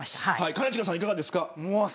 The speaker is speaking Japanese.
兼近さん、いかがですか。